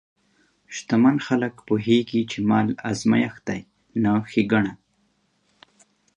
شتمن خلک پوهېږي چې مال ازمېښت دی، نه ښېګڼه.